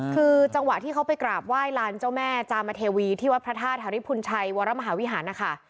คือจังหวะที่เขาไปกราบไหว้ลานเจ้าแม่จามเทวีที่วัดพระธาตุธริพุนชัยวรมหาวิหารนะคะ